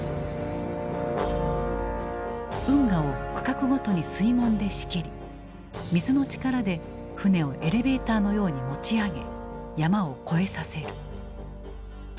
運河を区画ごとに水門で仕切り水の力で船をエレベーターのように持ち上げ山を越えさせる。